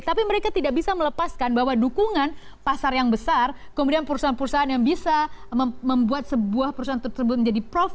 tapi mereka tidak bisa melepaskan bahwa dukungan pasar yang besar kemudian perusahaan perusahaan yang bisa membuat sebuah perusahaan tersebut menjadi prof